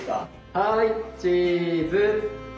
はいチーズ。